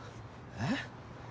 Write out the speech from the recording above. えっ？